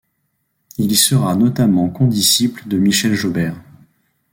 Il y sera notamment condisciple de Michel Jobert.